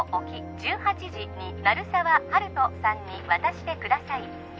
１８時に鳴沢温人さんに渡してください